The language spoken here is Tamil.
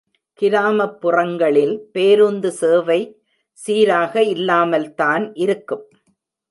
கிராமப்புறங்களில் பேருந்து சேவை சீராக இல்லாமல்தான் இருக்கும்.